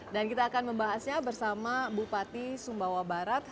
dan kita akan membahasnya bersama bupati sumbawa barat